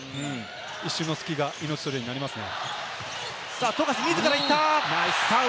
一瞬の隙が命取りになりますね。